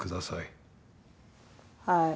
はい。